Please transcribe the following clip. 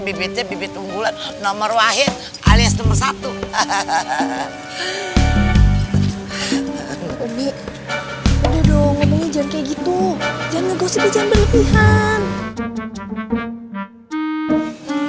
bibitnya bibit unggulan nomor satu alias nomor satu hahaha obik udah dong ngomongnya jangan kayak gitu jangan ngegosip jangan berlebihan